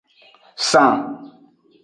San.